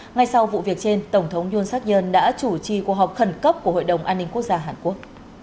ngay sau vụ việc trên tổng thống yoon seok yeol đã chủ trì cuộc họp khẩn cấp của hội đồng an ninh quốc gia hàn quốc